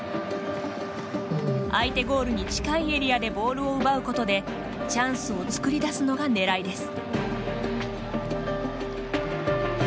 相手ゴールに近いエリアでボールを奪うことでチャンスを作り出すのがねらいです。